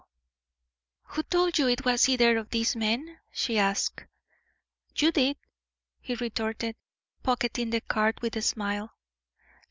"Who told you it was either of these men?" she asked. "You did," he retorted, pocketing the card with a smile.